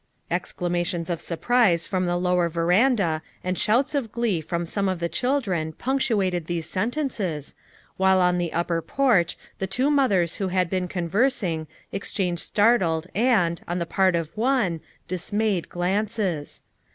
Exclamations of surprise from the lower ver anda and shouts of glee from some of the children punctuated these sentences, while on the upper porch the two mothers who had been conversing, exchanged startled and, on the part of one, dismayed glances.